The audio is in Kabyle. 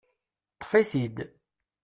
Ṭṭef-it-id.